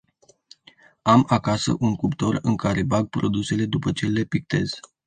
Am acasă un cuptor în care bag produsele după ce le pictez.